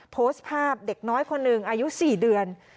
โพสต์ภาพเด็กน้อยคนหนึ่งอายุ๔เดือน